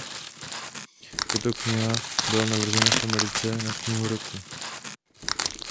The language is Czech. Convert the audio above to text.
Tato kniha byly navržena v Americe na knihu roku.